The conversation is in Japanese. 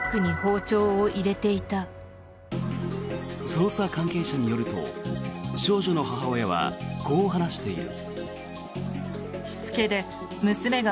捜査関係者によると少女の母親はこう話している。